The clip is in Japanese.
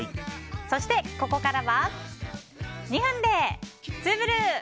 そして、ここからは２分でツウぶる！